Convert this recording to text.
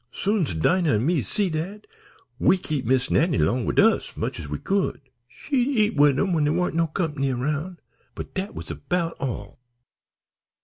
Soon's Dinah an' me see dat, we kep' Miss Nannie long wid us much as we could. She'd eat wid 'em when dere warn't no company 'round, but dat was 'bout all."